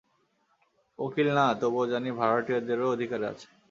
উকিল না তবুও জানি, ভাড়াটিয়াদেরও অধিকার আছে।